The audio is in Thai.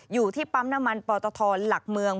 อยู่ที่ปั๊มน้ำมันปตทหลักเมือง